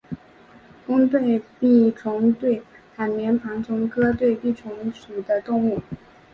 弓对臂虫为海绵盘虫科对臂虫属的动物。